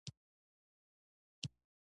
انګلیسیانو ته ډېر لیکونه په لاس ورغلل.